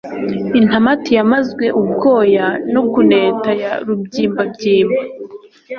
Intamati yamazwe ubwoya no kuneta ya rubyimbabyimba